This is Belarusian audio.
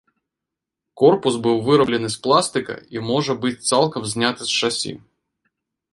Корпус быў выраблены з пластыка і можа быць цалкам зняты з шасі.